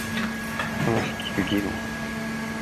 話す聞く技能